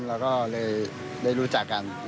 เราก็เลยได้รู้จักกัน